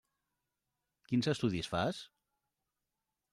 Quins estudis fas?